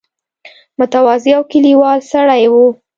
متواضع او کلیوال سړی وو.